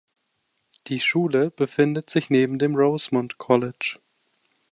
Die Schule befindet sich neben dem Rosemont College.